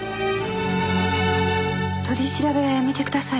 取り調べはやめてください。